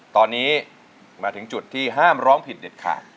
ตอนนี้มาถึงจุดที่ห้ามร้องผิดเด็ดขาด